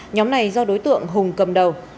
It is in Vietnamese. nhóm này do đối tượng hùng cầm đầu